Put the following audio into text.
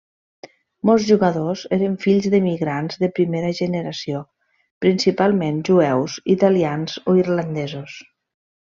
Molts jugadors eren fills d'immigrants de primera generació, principalment jueus, italians o irlandesos.